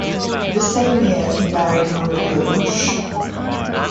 The same year he married Maria Rusch.